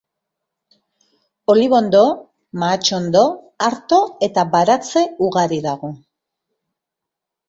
Olibondo, mahatsondo, arto eta baratze ugari dago.